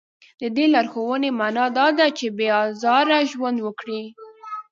د دې لارښوونې معنا دا ده چې بې ازاره ژوند وکړي.